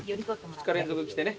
２日連続来てね